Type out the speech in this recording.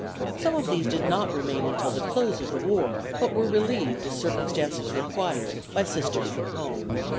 Some of these did not remain until the close of the war, but were relieved as circumstances required by Sisters from home.